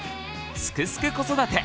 「すくすく子育て」